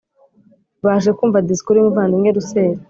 baje kumva disikuru y umuvandimwe Russell